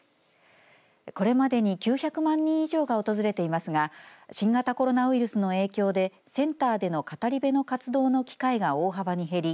これまでに９００万人以上が訪れていますが新型コロナウイルスの影響でセンターでの語り部の活動の機会が大幅に減り